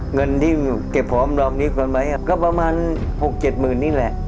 เงินที่เก็บหอมรอมนี้กันไว้ก็ประมาณ๖๗หมื่นนี่แหละ